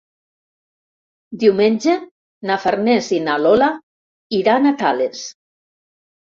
Diumenge na Farners i na Lola iran a Tales.